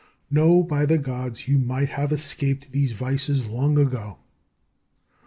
No, by the Gods, you might have escaped these vices long ago.